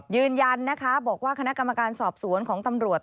ยืนยันนะคะบอกว่าคณะกรรมการสอบสวนของตำรวจ